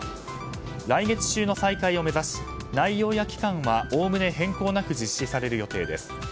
来月中の再開を目指し内容や期間はおおむね変更なく実施される予定です。